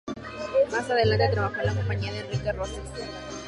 Más adelante trabajó en la compañía de Enrique de Rosas.